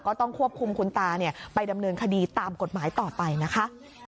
ก็ต้องควบคุมคุณตาไปดำเนินคดีตามกฎหมายต่อไปนะคะ